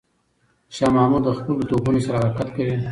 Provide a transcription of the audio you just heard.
شاه محمود د خپلو توپونو سره حرکت کوي.